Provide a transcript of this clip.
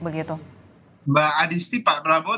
mbak adisti pak prabowo